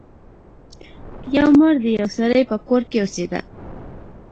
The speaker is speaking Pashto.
یو مار د یو سړي په کور کې اوسیده.